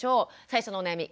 最初のお悩み